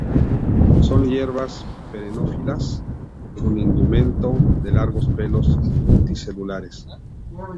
Son hierbas perennifolias, con indumento de largos pelos multicelulares.